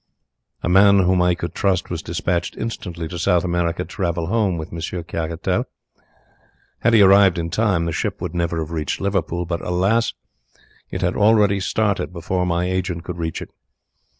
"A man whom I could trust was dispatched instantly to South America to travel home with Monsieur Caratal. Had he arrived in time the ship would never have reached Liverpool; but alas! it had already started before my agent could reach it.